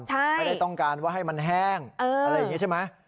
ไม่ได้ต้องการว่าให้มันแห้งอะไรอย่างนี้ใช่ไหม